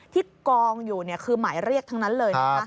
ที่กองอยู่เนี่ยคือหมายเรียกทั้งนั้นเลย